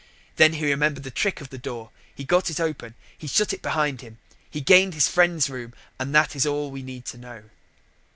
Then he remembered the trick of the door he got it open he shut it behind him he gained his friend's room, and that is all we need know.